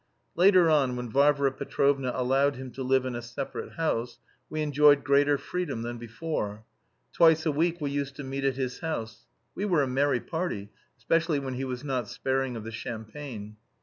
Later on, when Varvara Petrovna allowed him to live in a separate house, we enjoyed greater freedom than before. Twice a week we used to meet at his house. We were a merry party, especially when he was not sparing of the champagne.